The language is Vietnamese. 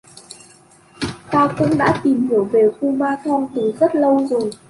Tao cũng đã tìm hiểu về ku man thong từ rất lâu rồi